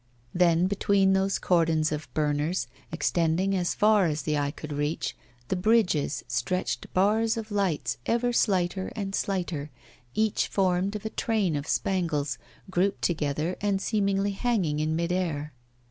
Then between those cordons of burners, extending as far as the eye could reach, the bridges stretched bars of lights, ever slighter and slighter, each formed of a train of spangles, grouped together and seemingly hanging in mid air.